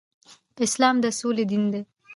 اسلام د سولې دين دی